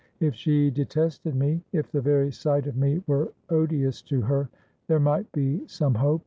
If she detested me ; if the very sight of me were odious to her ; there might be some hope.